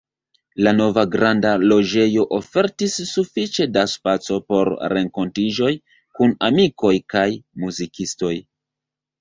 La nova granda loĝejo ofertis sufiĉe da spaco por renkontiĝoj kun amikoj kaj muzikistoj.